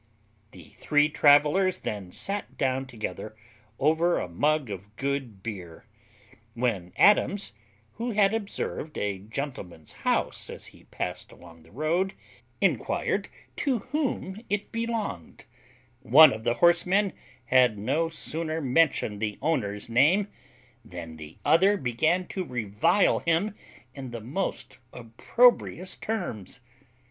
The three travellers then sat down together over a mug of good beer; when Adams, who had observed a gentleman's house as he passed along the road, inquired to whom it belonged; one of the horsemen had no sooner mentioned the owner's name, than the other began to revile him in the most opprobrious terms.